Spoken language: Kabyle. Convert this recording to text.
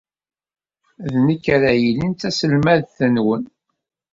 D nekk ara yilin d taselmadt-nwen.